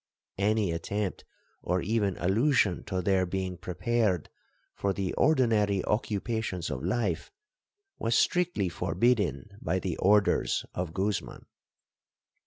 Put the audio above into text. Any attempt, or even allusion to their being prepared for the ordinary occupations of life, was strictly forbidden by the orders of Guzman.